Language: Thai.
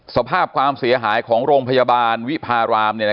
สภาพความเสียหายของโรงพยาบาลวิพาราม